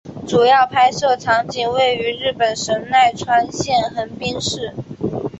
主要拍摄场景位于日本神奈川县横滨市。